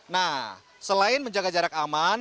nah selain menjaga jarak aman